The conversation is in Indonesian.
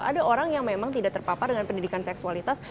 ada orang yang memang tidak terpapar dengan pendidikan seksualitas